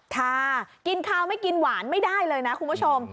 ค่ะกินข้าวไม่กินหวานไม่ได้เลยนะคุณผู้ชม